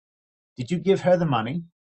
Did you give her the money?